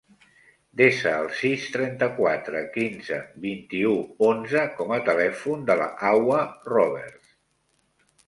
Desa el sis, trenta-quatre, quinze, vint-i-u, onze com a telèfon de la Hawa Roberts.